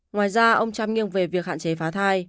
ngoài ra ông chang nghiêng về việc hạn chế phá thai